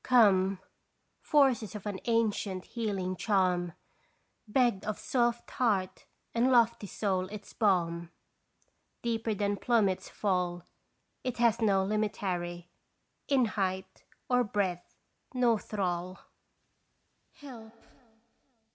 Come! forces of an ancient "healing charm/ Begged of soft heart and lofty soul its balm. Deeper than plummets fall It has no limitary, In height or breadth no thrall : Help!